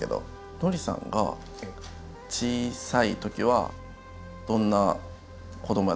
ノリさんが小さいときはどんな子どもやったんですか？